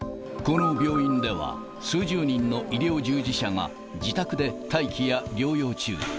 この病院では、数十人の医療従事者が、自宅で待機や療養中。